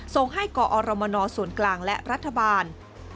ส่งให้กอรมนส่วนกลางและรัฐบาล